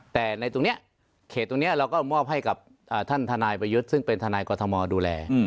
แต่ในตรงนี้เขตตรงนี้เราก็มอบให้กับท่านทนายประยุทธ์ซึ่งเป็นทนายกรทมดูแล